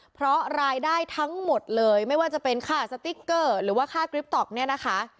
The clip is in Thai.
เพราะรายได้ทั้งหมดเลยไม่ว่าจะเป็นค่าสติ๊กเกอร์หรือว่าค่ากริปต๊อกเนี่ยนะคะ